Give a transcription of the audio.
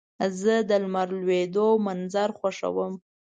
زه د لمر لوېدو منظر خوښوم.